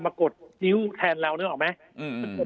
กดคิ้วแทนเรานึกออกไหม